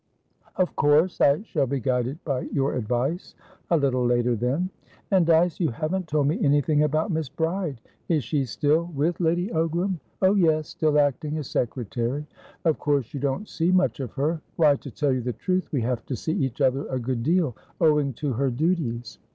"Of course I shall be guided by your advice. A little later, then. And, Dyce, you haven't told me anything about Miss Bride. Is she still with Lady Ogram?" "Oh yes. Still acting as secretary." "Of course you don't see much of her?" "Why, to tell you the truth, we have to see each other a good deal, owing to her duties."